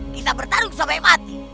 kita bertarung sampai mati